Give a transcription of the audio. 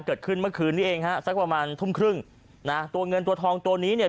เกิดขึ้นเมื่อคืนนี้เองฮะสักประมาณทุ่มครึ่งนะตัวเงินตัวทองตัวนี้เนี่ย